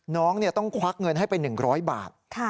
น้องต้องควักเงินให้ไป๑๐๐บาท